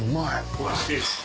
おいしいですか。